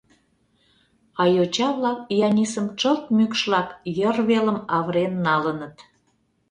А йоча-влак Янисым чылт мӱкшлак йыр велым авырен налыныт.